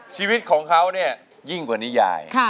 ชีวิตของเขาเนี่ยยิ่งกว่านิยาย